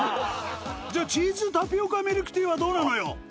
じゃチーズタピオカミルクティーはどうなのよ？